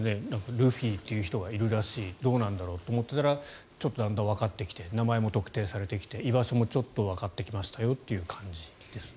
ルフィという人がいるらしいどうなんだろうと思っていたらちょっとだんだんわかってきて名前も特定されてきて居場所もちょっとわかってきたという感じですね。